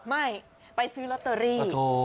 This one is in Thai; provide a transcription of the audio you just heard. ไม่ไปซื้อลอตเตอรี่